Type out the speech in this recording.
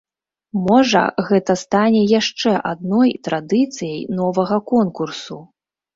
Можа, гэта стане яшчэ адной традыцыяй новага конкурсу?